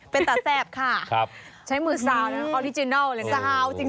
เป็นตาแซ่บค่ะใช้มือซาวนะออริจินัลเลยนะสาวจริง